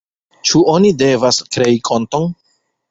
Ĉu oni devas krei konton?